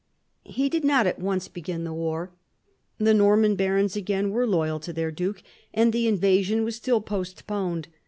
He did not at once begin the war. The Norman barons again were loyal to their duke, and the invasion was still postponed.